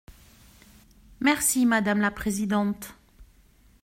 Merci, madame la présidente.